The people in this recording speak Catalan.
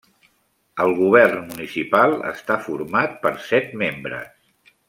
El govern municipal està format per set membres.